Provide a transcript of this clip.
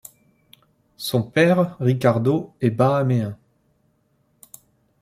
Son père, Ricardo, est Bahaméen.